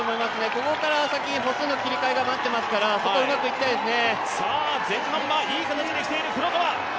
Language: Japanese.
ここから先、歩数の切り替えが待っていますから、ここはうまくいきたいですね。